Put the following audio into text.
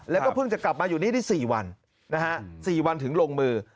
แล้วก็เพิ่งจะกลับมาอยู่นี่ได้๔วันนะฮะ๔วันถึงลงมือ